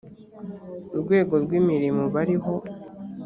urwego rw imirimo bariho